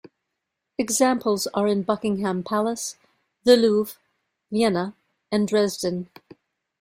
Examples are in Buckingham Palace, the Louvre, Vienna and Dresden.